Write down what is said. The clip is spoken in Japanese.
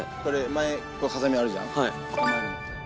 前ハサミあるじゃん。